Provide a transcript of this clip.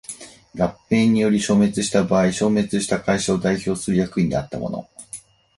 合併により消滅した場合消滅した会社を代表する役員であった者